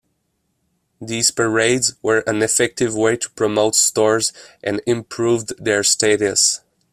These "parades" were an effective way to promote stores, and improved their status.